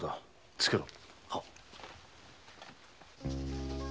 つけろ！